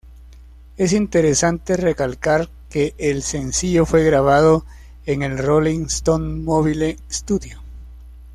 Es interesante recalcar que el sencillo fue grabado en el Rolling Stones Mobile Studio.